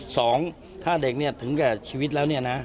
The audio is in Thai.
สองถ้าเด็กนี่ถึงกับชีวิตแล้วนี่นะ